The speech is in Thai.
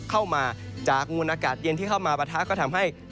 เข้ามาจากมูลอากาศเย็นที่เข้ามาปะทะก็ทำให้